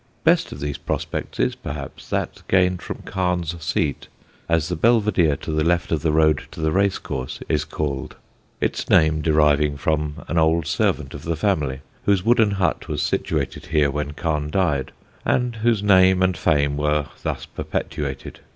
Best of these prospects is, perhaps, that gained from Carne's seat, as the Belvedere to the left of the road to the racecourse is called; its name deriving from an old servant of the family, whose wooden hut was situated here when Carne died, and whose name and fame were thus perpetuated.